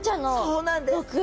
そうなんです。